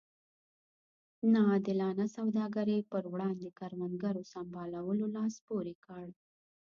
نا عادلانه سوداګرۍ پر وړاندې کروندګرو سمبالولو لاس پورې کړ.